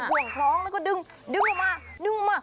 เอาผวงท้องแล้วก็ดึงออกมา